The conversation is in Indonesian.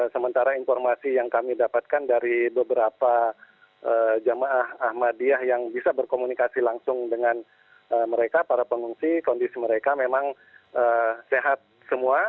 sementara informasi yang kami dapatkan dari beberapa jamaah ahmadiyah yang bisa berkomunikasi langsung dengan mereka para pengungsi kondisi mereka memang sehat semua